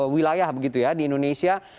wilayah di indonesia